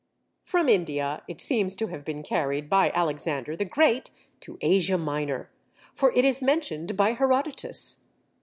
From India it seems to have been carried by Alexander the Great to Asia Minor, for it is mentioned by Herodotus.